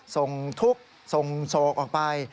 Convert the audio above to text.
ส่งทุกข์ส่งโศกออกไป